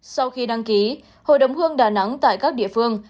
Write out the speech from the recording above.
sau khi đăng ký hội đồng hương đà nẵng tại các địa phương